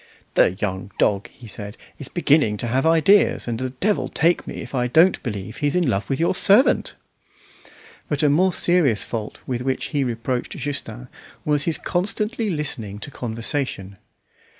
"The young dog," he said, "is beginning to have ideas, and the devil take me if I don't believe he's in love with your servant!" But a more serious fault with which he reproached Justin was his constantly listening to conversation.